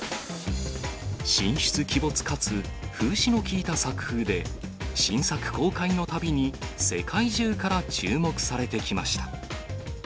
神出鬼没かつ風刺の効いた作風で、新作公開のたびに世界中から注目されてきました。